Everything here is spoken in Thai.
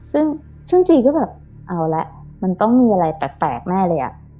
ซึ่งจีก็แบบเอาละมันต้องมีอะไรแปลกแน่เลยอะ